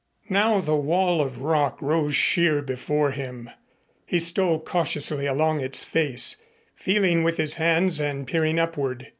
Now the wall of rock rose sheer before him. He stole cautiously along its face, feeling with his hands and peering upward.